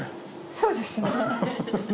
そうですね。